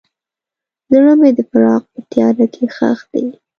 زړه مې د فراق په تیاره کې ښخ دی.